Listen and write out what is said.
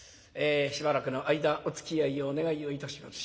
しばらくの間おつきあいをお願いをいたします。